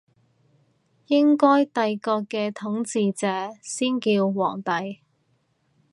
應該帝國嘅統治者先叫皇帝